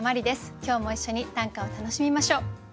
今日も一緒に短歌を楽しみましょう。